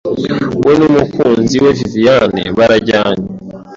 we n'umukunzi we Viviane barajyanye